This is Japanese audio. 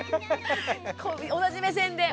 同じ目線で。